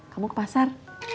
kamu ke pasar